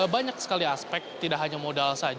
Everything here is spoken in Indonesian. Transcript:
banyak sekali aspek tidak hanya modal saja